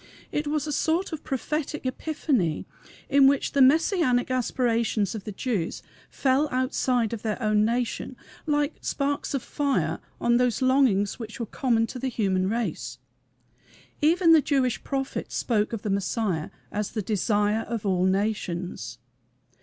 It was a sort of prophetic "Epiphany," in which the Messianic aspirations of the Jews fell outside of their own nation, like sparks of fire on those longings which were common to the human race. Even the Jewish prophet spoke of the Messiah as "The Desire of all Nations."